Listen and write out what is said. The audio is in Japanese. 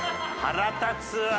腹立つわ。